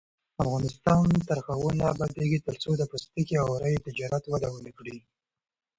افغانستان تر هغو نه ابادیږي، ترڅو د پوستکي او وړیو تجارت وده ونه کړي.